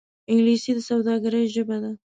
انګلیسي د سوداگرۍ ژبه ده